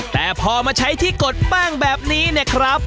แต่พอมาใช้ที่กดแป้งแบบนี้เนี่ยครับ